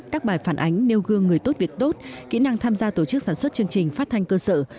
các bài phản ánh nêu gương người tốt việc tốt kỹ năng tham gia tổ chức sản xuất chương trình phát thanh cơ sở